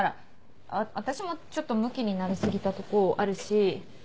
あっ私もちょっとむきになり過ぎたとこあるし。